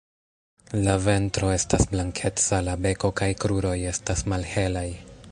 La ventro estas blankeca, la beko kaj kruroj estas malhelaj.